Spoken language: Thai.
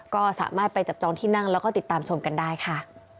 ก็สามารถไปจับจองที่นั่งแล้วก็ติดตามชมกันได้ค่ะ